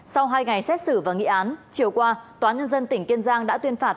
sau hai ngày xét xử và nghị án chiều qua tòa nhân dân tỉnh kiên giang đã tuyên phạt